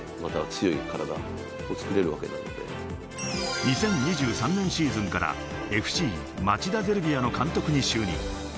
２０２３年シーズンからＦＣ町田ゼルビアの監督に就任。